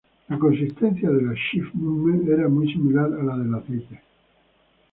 La consistencia de la Schiff-Mumme era muy similar a la del aceite.